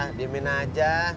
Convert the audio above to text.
udah di minah aja